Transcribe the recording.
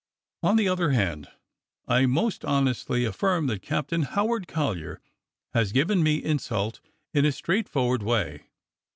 On the other hand, I most honestly affirm that Captain Howard Collyer has given me insult in a straightfor ward way